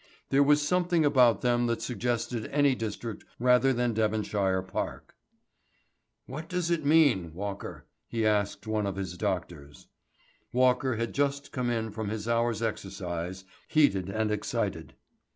There was something about them that suggested any district rather than Devonshire Park. "What does it mean, Walker?" he asked one of his doctors. Walker had just come in from his hour's exercise, heated and excited.